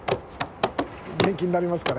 ・元気になりますかね？